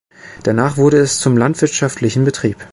Danach wurde es zum landwirtschaftlichen Betrieb.